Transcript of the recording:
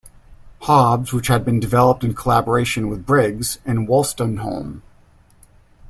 Hobbs, which had been developed in collaboration with Briggs and Wolstenholme.